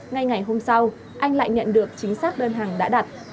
ngay ngày hôm sau anh lại nhận được chính xác đơn hàng đã đặt